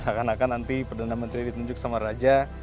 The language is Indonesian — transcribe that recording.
seakan akan nanti perdana menteri ditunjuk sama raja